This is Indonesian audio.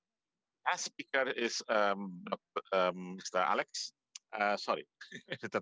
pikiran kedua adalah tentang